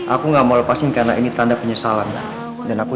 aku gak mau lepasin karena ini tanda penyesalan dan aku